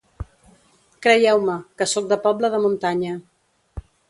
Creieu-me, que sóc de poble de muntanya.